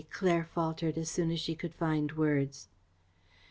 Claire faltered, as soon as she could find words.